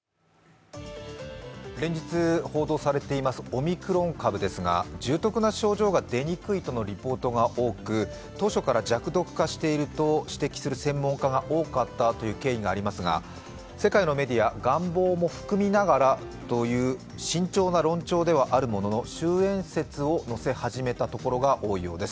連日報道されていますオミクロン株ですが、重篤な症状が出にくいとのリポートが多く当初から弱毒化していると指摘している専門家が多かったという経緯もありますが世界のメディア、願望も含みながらという慎重な論調ではあるものの、終えん説を載せ始めたところが多いようです。